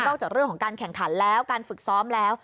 จากเรื่องของการแข่งขันแล้วการฝึกซ้อมแล้ว